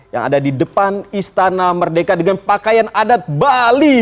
yang ada di depan istana merdeka dengan pakaian adat bali